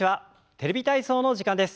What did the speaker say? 「テレビ体操」の時間です。